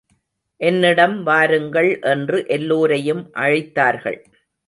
என்னிடம் வாருங்கள்! என்று எல்லோரையும் அழைத்தார்கள்.